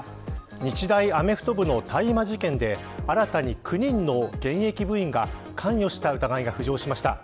日大アメフト部の大麻事件で新たに９人の現役部員が関与した疑いが浮上しました。